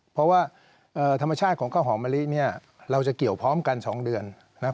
เพราะว่าธรรมชาติของข้าวหอมมะลิเนี่ยเราจะเกี่ยวพร้อมกัน๒เดือนนะครับ